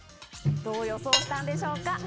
どう予想したんでしょうか？